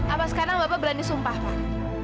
apa sekarang bapak berani sumpah pak